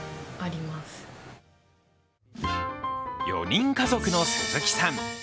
４人家族の鈴木さん。